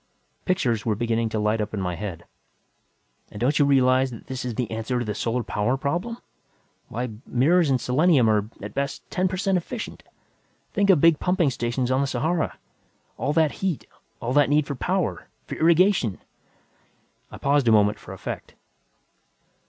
Pictures were beginning to light up in my head. "And don't you realize that this is the answer to the solar power problem? Why, mirrors and selenium are, at best, ten per cent efficient! Think of big pumping stations on the Sahara! All that heat, all that need for power, for irrigation!" I paused a moment for effect.